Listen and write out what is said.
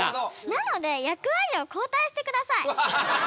なので役割を交代して下さい。